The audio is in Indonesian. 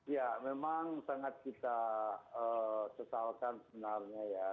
ya memang sangat kita sesalkan sebenarnya ya